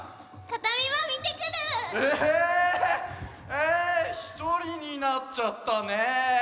えひとりになっちゃったねえ。